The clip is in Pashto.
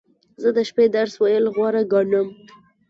زه د شپې درس ویل غوره ګڼم.